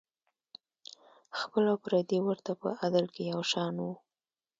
خپل او پردي ورته په عدل کې یو شان وو.